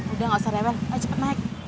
udah gak usah rewel eh cepet naik